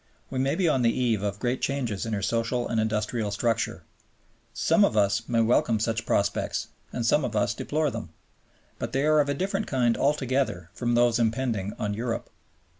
We may be on the eve of great changes in her social and industrial structure. Some of us may welcome such prospects and some of us deplore them. But they are of a different kind altogether from those impending on Europe.